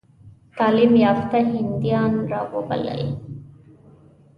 تعلیم یافته هندیان را وبلل.